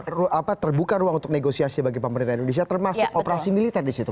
apakah terbuka ruang untuk negosiasi bagi pemerintah indonesia termasuk operasi militer di situ